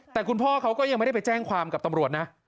แต่คุณพ่อเขาก็ยังไม่ได้ไปแจ้งความกับตำรวจนะ